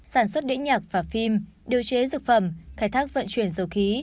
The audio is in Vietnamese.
sản xuất đĩnh nhạc và phim điều chế dược phẩm khai thác vận chuyển dầu khí